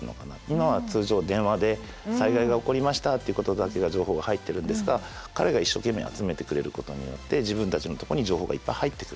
今は通常電話で災害が起こりましたっていうことだけが情報が入ってるんですが彼が一生懸命集めてくれることによって自分たちのとこに情報がいっぱい入ってくる。